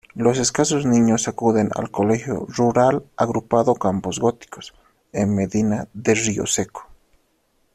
Los escasos niños acuden al Colegio Rural Agrupado Campos Góticos, en Medina de Rioseco.